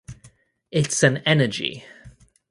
It’s an energy!